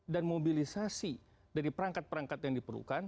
dan mobilisasi dari perangkat perangkat yang diperlukan